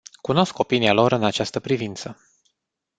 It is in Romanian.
Cunosc opinia lor în această privință.